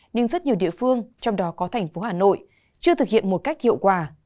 nhưng rất nhiều địa phương trong đó có thành phố hà nội chưa thực hiện một cách hiệu quả